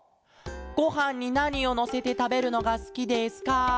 「ごはんになにをのせてたべるのがすきですか？